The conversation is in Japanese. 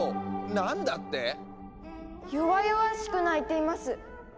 何だって⁉弱々しく鳴いています。